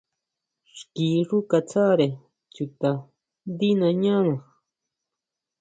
Xki xú katsáre chuta ndí nañana.